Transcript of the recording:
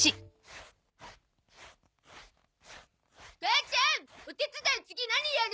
母ちゃんお手伝い次何やる？